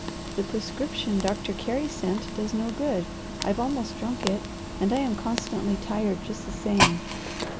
The prescription Doctor Carey sent does no good. I've almost drunk it, and I am constantly tired, just the same.